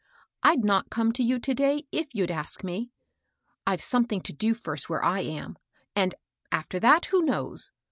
I'd not come to you to day, if you'd ask me. I've something to do first where I am, and, after that, — who knows